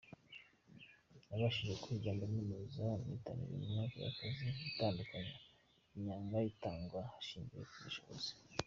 Nabashije kwiga ndaminuza, mpatanira imyanya y’akazi itandukanye, imyanga igatangwa hashingiwe ku bushobozi.